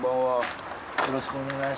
よろしくお願いします。